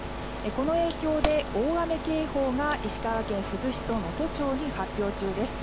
この影響で大雨警報が石川県珠洲市と能登町に発表中です。